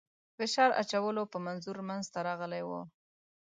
فشار اچولو په منظور منځته راغلی وو.